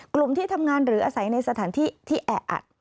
กลุ่มที่ทำงานหรืออาศัยในสถานที่ที่แออัด